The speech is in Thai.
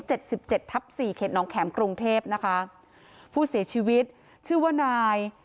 สิบเจ็ดทับสี่เขตน้องแข็มกรุงเทพนะคะผู้เสียชีวิตชื่อว่านาย